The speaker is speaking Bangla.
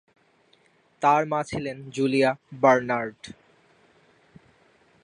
তার মা ছিলেন জুলিয়া বার্নার্ড।